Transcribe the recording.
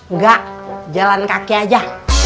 nggak jalan kaki aja